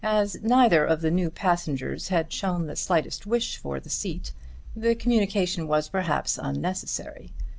As neither of the new passengers had shown the slightest wish for the seat the communication was perhaps unnecessary.